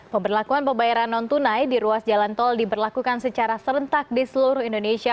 pemberlakuan pembayaran non tunai di ruas jalan tol diberlakukan secara serentak di seluruh indonesia